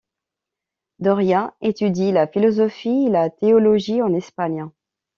Doria étudie la philosophie et la théologie en Espagne.